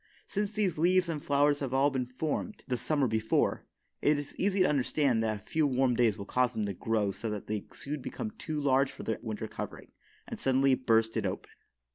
Since these leaves and flowers have all been formed the summer before, it is easy to understand that a few warm days will cause them to grow so that they soon become too large for their winter covering, and suddenly burst it open.